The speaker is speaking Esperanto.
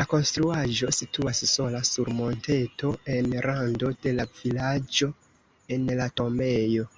La konstruaĵo situas sola sur monteto en rando de la vilaĝo en la tombejo.